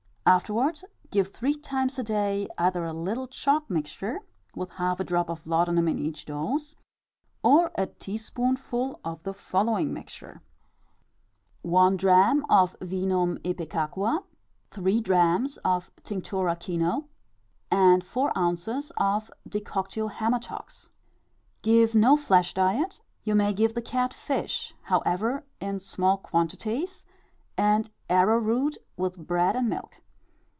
Afterwards give, three times a day, either a little chalk mixture, with half a drop of laudanum in each dose, or a teaspoonful of the following mixture: ℞ Vin. Ipecac. Ʒ j. Tinct. Kino Ʒ iij. Decoct. Hæmatox ℥ iv. Give no flesh diet; you may give the cat fish, however, in small quantities, and arrowroot with bread and milk.